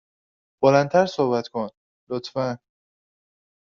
بلند تر صحبت کن، لطفا.